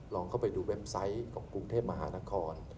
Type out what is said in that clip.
ลองเข้าไปดูเว็บไซต์ของกรุงเทพมหานคร